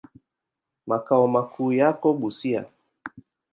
Makao makuu yako Busia.